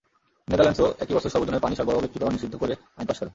নেদারল্যান্ডসও একই বছর সর্বজনের পানি সরবরাহ ব্যক্তীকরণ নিষিদ্ধ করে আইন পাস করে।